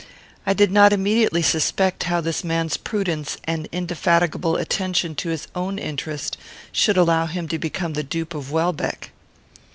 I did not immediately suspect how this man's prudence and indefatigable attention to his own interest should allow him to become the dupe of Welbeck.